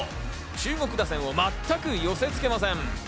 中国打線を全く寄せ付けません。